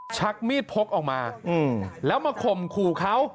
ชักมีดพกออกมาแล้วมาข่มขู่เขา